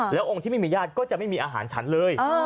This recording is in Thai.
แล้วองค์ที่ไม่มีญาติก็จะไม่มีอาหารฉันเลย